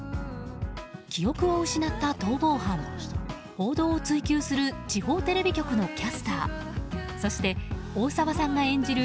記憶を失った逃亡犯報道を追及する地方テレビ局のキャスターそして大沢さんが演じる